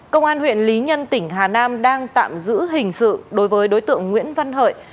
công an huyện lý nhân tỉnh hà nam đang tạm giữ hình sự đối với đối tượng nguyễn văn hợi